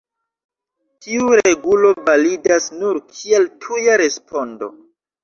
Tiu regulo validas nur kiel tuja respondo.